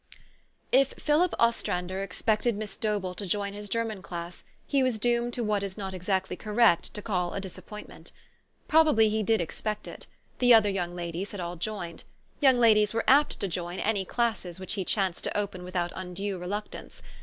IF Philip Ostrander expected Miss Dobell to join his German class, he was doomed to what it is not exactly correct to call a disappointment. Proba bly he did expect it. The other young ladies had all joined. Young ladies were apt to join any classes which he chanced to open without undue reluctance.